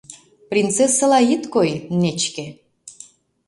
Принцессыла ит кой, нечке.